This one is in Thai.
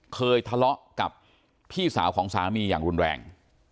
เคยทะเลาะกับพี่สาวของสามีอย่างรุนแรง